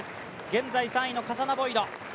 現在３位のカサナボイド。